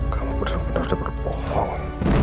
kamu benar benar sudah berbohong